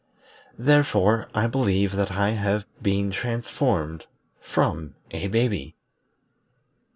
Therefore I believe that I have been transformed from a baby."